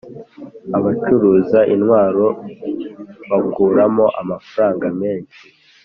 abacuruza intwaro bakuramo amafaranga menshi